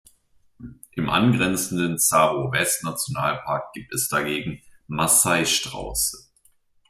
Im angrenzenden Tsavo-West-Nationalpark gibt es dagegen Massai-Strauße.